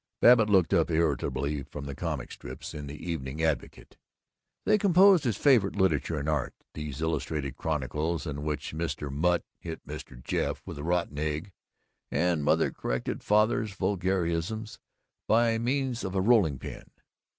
Babbitt looked up irritably from the comic strips in the Evening Advocate. They composed his favorite literature and art, these illustrated chronicles in which Mr. Mutt hit Mr. Jeff with a rotten egg, and Mother corrected Father's vulgarisms by means of a rolling pin.